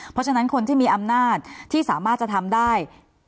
เพราะฉะนั้นคนที่มีอำนาจที่สามารถจะทำได้